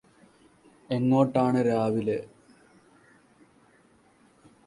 എങ്ങോട്ടാണ് രാവിലെ?